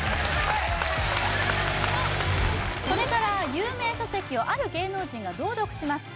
これから有名書籍をある芸能人が朗読します